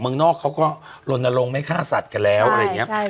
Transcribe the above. เมืองนอกเขาก็ลนลงไม่ฆ่าสัตว์กันแล้วใช่ใช่ใช่